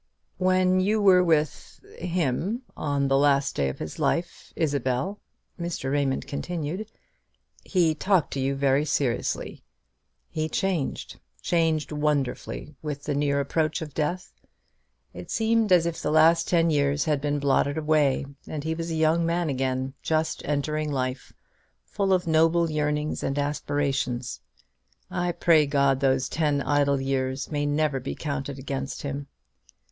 "When you were with him on the last day of his life, Isabel," Mr. Raymond continued, "he talked to you very seriously. He changed changed wonderfully with the near approach of death. It seemed as if the last ten years had been blotted away, and he was a young man again, just entering life, full of noble yearnings and aspirations. I pray God those ten idle years may never be counted against him.